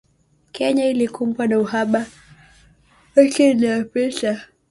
Kenya ilikumbwa na uhaba wiki iliyopita